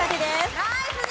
ナイスＤ！